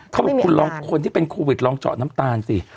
เขาบอกคุณลองคนที่เป็นโควิดลองเจาะน้ำตาลสิ